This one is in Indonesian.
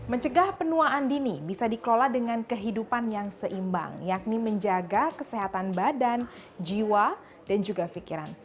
mencegah penuaan dini bisa dikelola dengan kehidupan yang seimbang yakni menjaga kesehatan badan jiwa dan juga pikiran